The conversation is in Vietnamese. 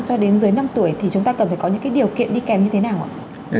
cho đến dưới năm tuổi thì chúng ta cần phải có những cái điều kiện đi kèm như thế nào ạ